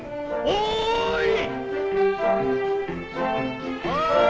おい！